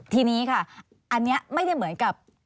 ทีนี้ค่ะอันนี้ไม่ได้เหมือนกับ